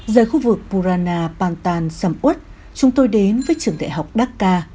giới khu vực purana pantan samut chúng tôi đến với trường đại học dhaka